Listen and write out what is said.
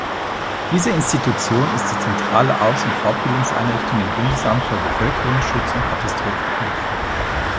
Diese Institution ist die zentrale Aus- und Fortbildungseinrichtung im Bundesamt für Bevölkerungsschutz und Katastrophenhilfe.